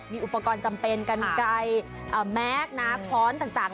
มีอุปกรณ์จำเป็นกันไก่แมคข้อนต่าง